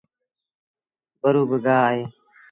ٻرو باگآه اهي۔